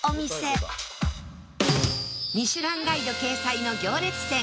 『ミシュランガイド』掲載の行列店